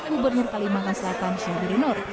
gubernur kalimantan selatan syedirinur